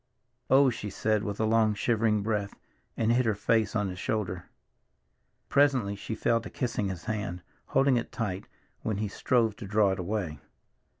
"Oh," she said with a long, shivering breath, and hid her face on his shoulder. Presently she fell to kissing his hand, holding it tight when he strove to draw it away.